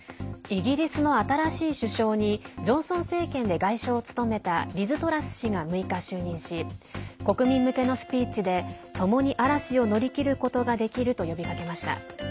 イギリスの新しい首相にジョンソン政権で外相を務めたリズ・トラス氏が６日就任し国民向けのスピーチでともに嵐を乗り切ることができると呼びかけました。